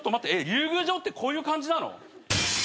竜宮城ってこういう感じなの？